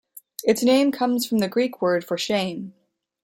Its name comes from the Greek word for "shame".